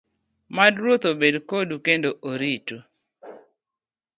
Mad Ruoth obed kodu kendo oritu.